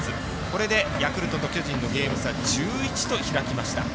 これでヤクルトと巨人のゲーム差１１と開きました。